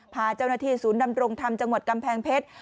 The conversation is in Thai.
พาเจ้าหน้าที่ศูนย์ดำรงธรรมจังหวัดกำแพงเพชร